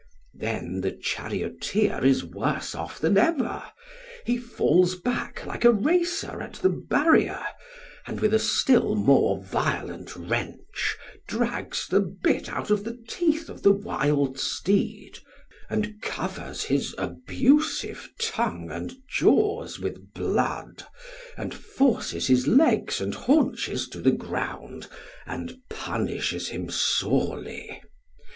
Then the charioteer is worse off than ever; he falls back like a racer at the barrier, and with a still more violent wrench drags the bit out of the teeth of the wild steed and covers his abusive tongue and jaws with blood, and forces his legs and haunches to the ground and punishes him sorely.